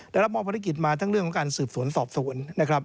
ได้รับมอบภารกิจมาทั้งเรื่องของการสืบสวนสอบสวนนะครับ